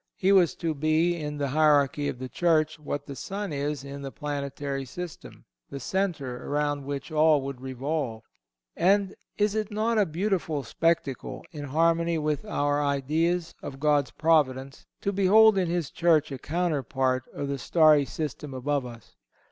He was to be in the hierarchy of the Church what the sun is in the planetary system—the centre around which all would revolve. And is it not a beautiful spectacle, in harmony with our ideas of God's providence, to behold in His Church a counterpart of the starry system above us?